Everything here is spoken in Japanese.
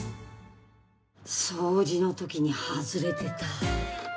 掃除のときに外れてた。